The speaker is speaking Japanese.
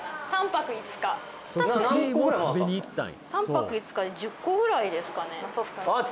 ３泊５日で１０個ぐらいですかね